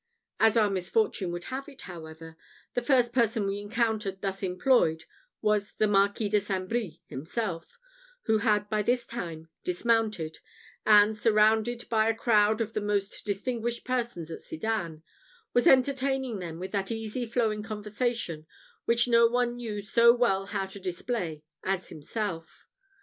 As our misfortune would have it, however, the first person we encountered thus employed was the Marquis de St. Brie himself, who had by this time dismounted; and, surrounded by a crowd of the most distinguished persons at Sedan, was entertaining them with that easy flowing conversation which no one knew so well how to display as himself.